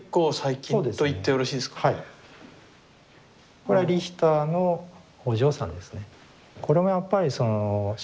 これはリヒターのお嬢さんですね。